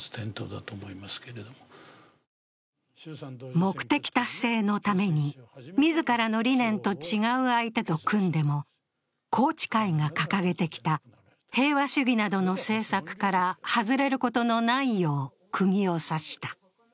目的達成のために自らの理念と違う相手と組んでも宏池会が掲げてきた平和主義などの政策から外れることのないようくぎを刺した。